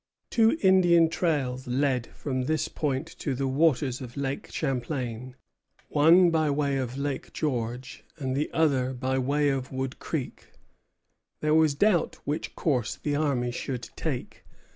Two Indian trails led from this point to the waters of Lake Champlain, one by way of Lake George, and the other by way of Wood Creek. There was doubt which course the army should take.